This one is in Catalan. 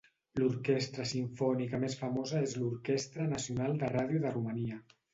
L'orquestra simfònica més famosa és l'Orquestra Nacional de Ràdio de Romania.